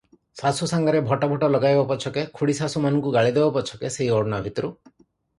ଶାଶୁ ସାଙ୍ଗରେ ଭଟ ଭଟ ଲଗାଇବ ପଛକେ, ଖୁଡ଼ୀଶାଶୁମାନଙ୍କୁ ଗାଳିଦେବ ପଛକେ ସେହି ଓଢ଼ଣା ଭିତରୁ ।